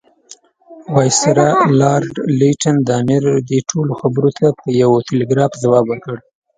وایسرا لارډ لیټن د امیر دې ټولو خبرو ته په یو ټلګراف ځواب ورکړ.